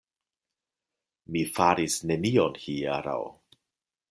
Mi faris nenion hieraŭ.